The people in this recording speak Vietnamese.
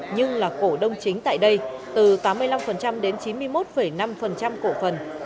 nhưng là cổ đông chính tại đây từ tám mươi năm đến chín mươi một năm cổ phần